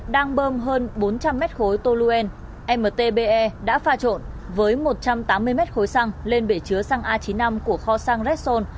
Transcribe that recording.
đang bơm hơn bốn trăm linh mét khối to luen mtbe đã pha trộn với một trăm tám mươi mét khối xăng lên bể chứa xăng a chín mươi năm của kho xăng resol